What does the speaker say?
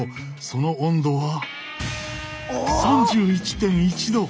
その温度は３１．１℃。